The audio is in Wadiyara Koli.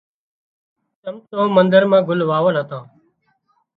چم تو مندر مان گُل واول هتان